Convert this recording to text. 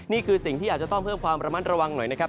นี่คือสิ่งที่อาจจะต้องเพิ่มความระมัดระวังหน่อยนะครับ